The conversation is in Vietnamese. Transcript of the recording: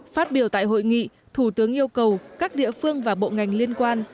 phát biểu tại hội nghị thủ tướng yêu cầu các địa phương và bộ ngành liên quan